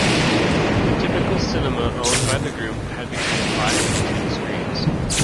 The typical cinema owned by the group had between five and ten screens.